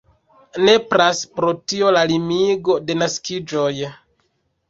Nepras pro tio la limigo de naskiĝoj.